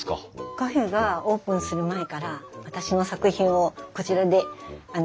カフェがオープンする前から私の作品をこちらで展示させていただいてたんです。